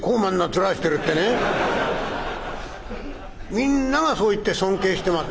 みんながそう言って尊敬してます」。